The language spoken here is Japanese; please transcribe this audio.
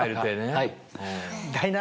はい。